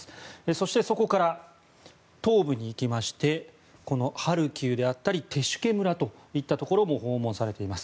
そして、そこから東部に行きましてこのハルキウであったりテシュケ村というところも訪問されています。